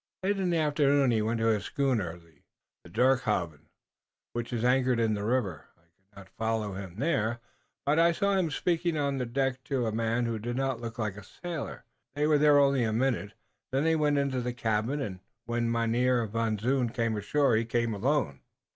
"Late in the afternoon he went to his schooner, the Dirkhoeven, which is anchored in the river. I could not follow him there, but I saw him speaking on the deck to a man who did not look like a sailor. They were there only a minute, then they went into the cabin, and when Mynheer Van Zoon came ashore he came alone."